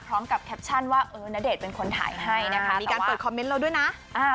พร้อมกับแคปชันว่าเอ๋ลด์ณเดชน์เป็นคนถ่ายให้นะคะมีการเปิดเราด้วยนะอ่า